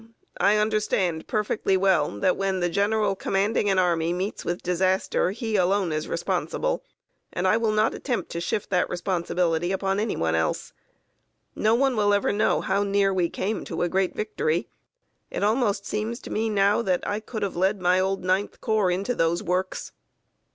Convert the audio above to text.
I understand perfectly well that when the general commanding an army meets with disaster, he alone is responsible, and I will not attempt to shift that responsibility upon any one else. No one will ever know how near we came to a great victory. It almost seems to me now that I could have led my old Ninth Corps into those works."